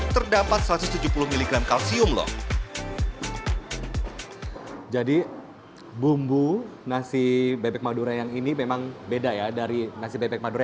terdapat satu ratus tujuh puluh miligram kalsium lho jadi bumbu nasi bebek madura yang ini memang beda ya dari nasi bebek madura